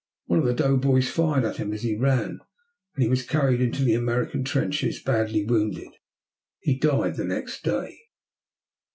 One of the doughboys fired at him as he ran and he was carried into the American trenches badly wounded. He died the next day.